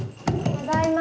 ただいま。